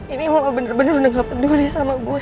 ini mama bener bener gak peduli sama gue